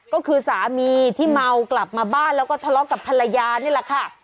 ก็คือสามีที่เมากลับมาบ้านแล้วก็ทะเลาะกับภรรยานี่แหละค่ะ